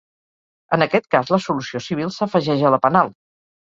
En aquest cas, la solució civil s'afegeix a la penal.